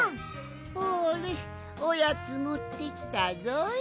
ほれおやつもってきたぞい。